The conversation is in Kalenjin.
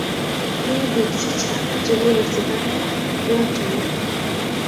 mii bik chichang chekule sigaretiek yutoyuu